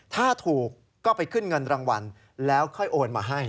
ถ้าถูกก็ไปขึ้นเงินรางวัลแล้วค่อยโอนมาให้